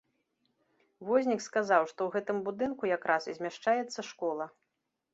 Вознік сказаў, што ў гэтым будынку якраз і змяшчаецца школа.